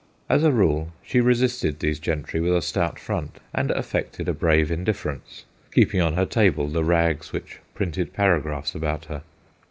As a rule she resisted these gentry with a stout front, and affected a brave indifference, keeping on her table the rags which printed paragraphs about her.